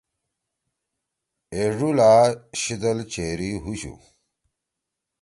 ایڙو لا شیِدل چیری ہُوشُو۔